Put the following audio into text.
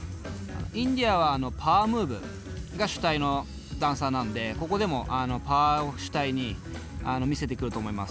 Ｉｎｄｉａはパワームーブが主体のダンサーなんでここでもパワーを主体に見せてくると思います。